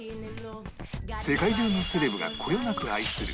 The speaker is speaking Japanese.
世界中のセレブがこよなく愛する